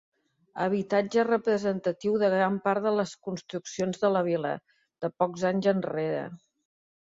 Habitatge representatiu de gran part de les construccions de la vila, de pocs anys enrere.